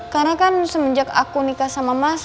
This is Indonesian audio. karena kan semenjak aku nikah sama mas